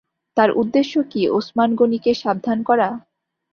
তাঁর উদ্দেশ্য কি ওসমান গনিকে সাবধান করা?